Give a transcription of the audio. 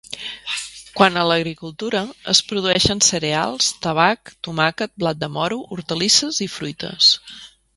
Quant a l'agricultura, es produeixen cereals, tabac, tomàquet, blat de moro, hortalisses i fruites.